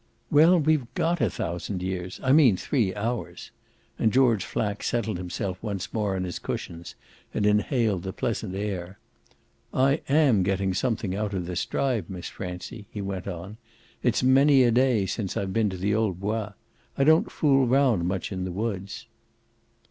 "Well, we've GOT a thousand years I mean three hours." And George Flack settled himself more on his cushions and inhaled the pleasant air. "I AM getting something out of this drive, Miss Francie," he went on. "It's many a day since I've been to the old Bois. I don't fool round much in woods."